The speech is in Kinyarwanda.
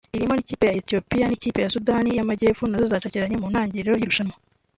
ririmo n’ikipe ya Ethiopia n’ikipe ya Sudani y’amajyepfo nazo zacakiranye mu ntangirirro y’irushanwa